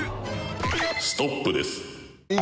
ストップです。